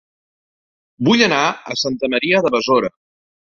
Vull anar a Santa Maria de Besora